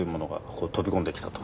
こう飛び込んできたと。